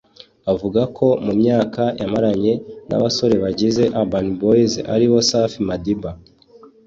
Avuga ko mu myaka yamaranye n’abasore bagize Urban Boys aribo Safi Madiba